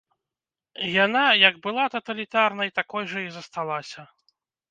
Яна, як была таталітарнай, такой жа і засталася.